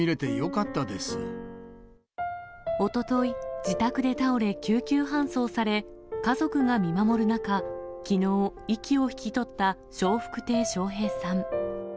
おととい自宅で倒れ救急搬送され、家族が見守る中、きのう息を引き取った笑福亭笑瓶さん。